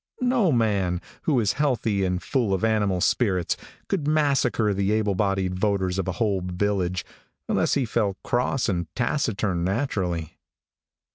No man, who is healthy and full of animal spirits, could massacre the ablebodied voters of a whole village, unless he felt cross and taciturn naturally.